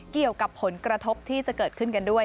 เกี่ยวกับผลกระทบที่จะเกิดขึ้นกันด้วย